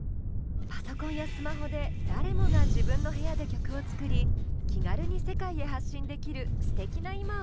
パソコンやスマホで誰もが自分の部屋で曲を作り気軽に世界へ発信できるすてきな今をお届け！